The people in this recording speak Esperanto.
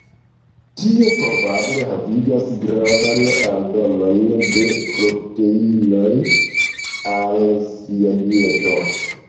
Tio probable havigas gravan aldonon de proteinoj al sia dieto.